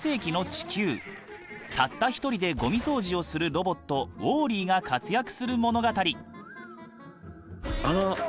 たった一人でゴミ掃除をするロボットウォーリーが活躍する物語。